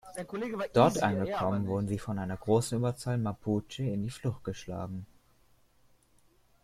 Dort angekommen wurden sie von einer großen Überzahl Mapuche in die Flucht geschlagen.